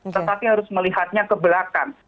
tetapi harus melihatnya ke belakang